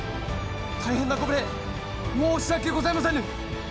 大変なご無礼申し訳ございませぬ！